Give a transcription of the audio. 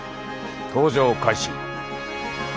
搭乗開始。